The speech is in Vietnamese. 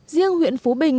riêng huyện phú bình